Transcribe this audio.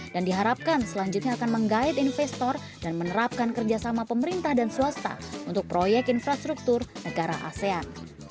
dan diharapkan selanjutnya akan meng guide investor dan menerapkan kerjasama pemerintah dan swasta untuk proyek infrastruktur negara asean